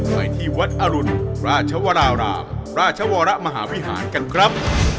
ไปที่วัดอรุณราชวรารามราชวรมหาวิหารกันครับ